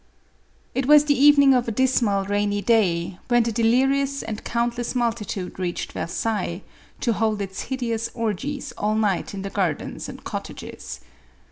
It was the evening of a dismal, rainy day, when the delirious and countless multitude reached Versailles, to hold its hideous orgies all night in the gardens and cottages.